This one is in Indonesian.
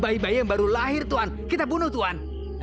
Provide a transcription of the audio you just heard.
bayi bayi yang baru lahir tuhan kita bunuh tuhan